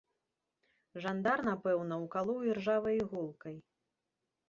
Жандар, напэўна, укалоў іржавай іголкай.